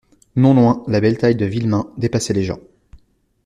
Non loin, la belle taille de Villemain dépassait les gens.